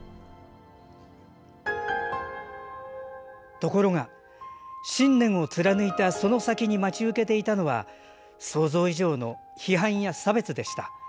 ところが信念を貫いたその先に待ち受けていたのは想像以上の批判や差別でした。